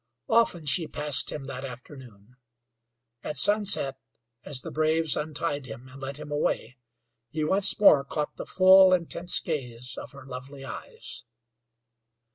Often she passed him that afternoon. At sunset, as the braves untied him and led him away, he once more caught the full, intense gaze of her lovely eyes.